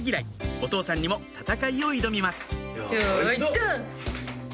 お父さんにも戦いを挑みます